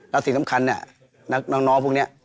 แล้วสิ่งสำคัญเนี่ยน้องพวกนี้